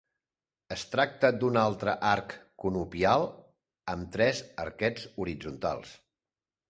Es tracta d'un altre arc conopial amb tres arquets horitzontals.